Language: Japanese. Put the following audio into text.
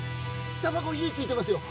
タバコ火ついてますよ！